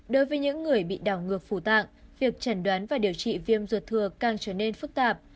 đối với những người bị đảo ngược phủ tạng việc chẩn đoán và điều trị viêm ruột thừa càng trở nên phức tạp